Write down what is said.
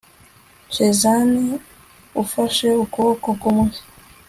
cézanne ufashe ukuboko kumwe